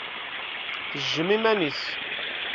Tejjem iman-is.